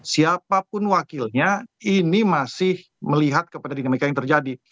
siapapun wakilnya ini masih melihat kepada dinamika yang terjadi